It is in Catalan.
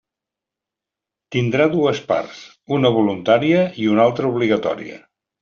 Tindrà dues parts: una voluntària i una altra obligatòria.